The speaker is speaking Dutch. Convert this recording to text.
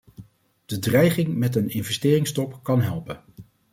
De dreiging met een investeringsstop kan helpen.